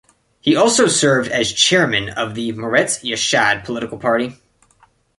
He also served as chairman of the Meretz-Yachad political party.